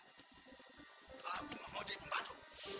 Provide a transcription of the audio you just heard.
aku gak mau jadi pembantu